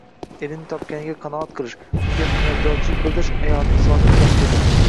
Erining topganiga qanoat qilish, unga minnatdorchilik bildirish ayolning saodat kalitidir.